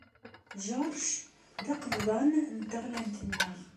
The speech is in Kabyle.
George d aqebḍan n teɣlamt-nneɣ.